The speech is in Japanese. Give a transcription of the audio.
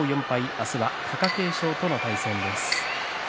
明日は貴景勝との対戦です。